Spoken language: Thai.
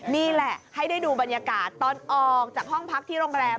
นี่แหละให้ได้ดูบรรยากาศตอนออกจากห้องพักที่โรงแรม